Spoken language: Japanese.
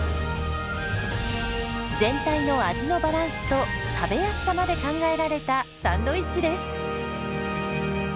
全体の味のバランスと食べやすさまで考えられたサンドイッチです。